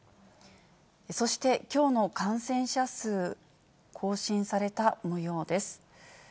そして、きょうの感染者数、更新されたもようです。